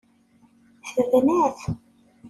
Tebna-t.